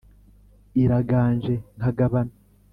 iraganje nkagabana.